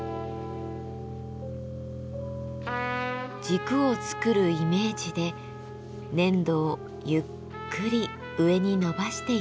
軸を作るイメージで粘土をゆっくり上に伸ばしていきます。